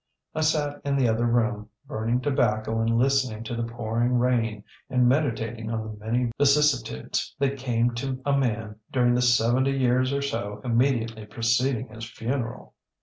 I sat in the other room burning tobacco and listening to the pouring rain and meditating on the many vicissitudes that came to a man during the seventy years or so immediately preceding his funeral.